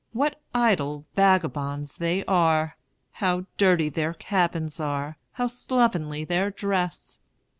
What idle vagabonds they are! How dirty their cabins are! How slovenly their dress!